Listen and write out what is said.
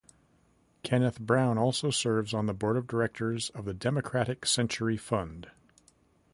Kenneth Brown also serves on the Board of Directors of the Democratic Century Fund.